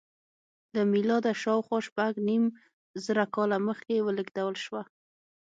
له میلاده شاوخوا شپږ نیم زره کاله مخکې ولېږدول شوه.